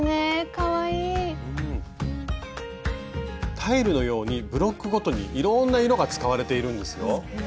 タイルのようにブロックごとにいろんな色が使われているんですよ。